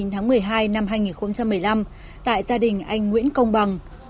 tháng một mươi hai năm hai nghìn một mươi năm tại gia đình anh nguyễn công bằng